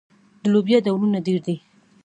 د لوبیا ډولونه ډیر دي.